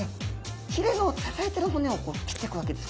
ひれを支えてる骨を切ってくわけです。